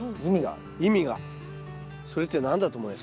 それって何だと思います？